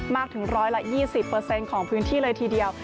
มากถึง๑๒๐ของพื้นที่เลยทีเดียว